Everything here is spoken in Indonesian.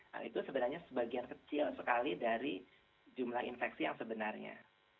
nah itu sebenarnya sebagian kecil sekali dari jumlah infeksi yang sebenarnya